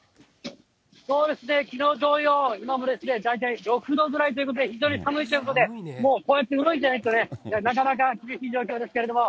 そうですね、きのう同様、今も大体６度ぐらいということで、非常に寒いということで、もうこうやって動いてないとね、なかなか厳しい状況ですけども。